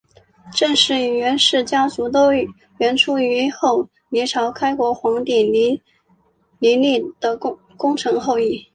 郑氏与阮氏家族都源出于后黎朝开国皇帝黎利的功臣后裔。